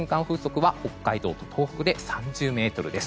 風速は北海道と東北で３０メートル。